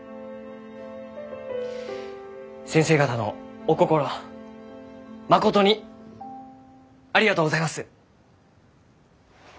先生方のお心まことにありがとうございます。